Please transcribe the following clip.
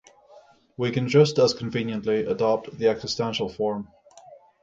We can just as conveniently adopt the existential form.